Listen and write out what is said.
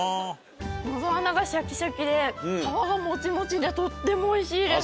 野沢菜がシャキシャキで皮がもちもちでとっても美味しいです。